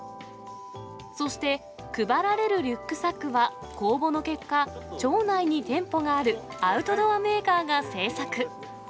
そして、配られるリュックサックは、公募の結果、町内に店舗があるアウトドアメーカーが製作。